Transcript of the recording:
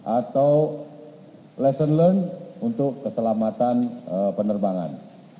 atau lesson learned untuk keselamatan penerbangan